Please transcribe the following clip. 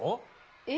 えっ？